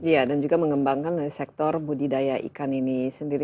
iya dan juga mengembangkan sektor budidaya ikan ini sendiri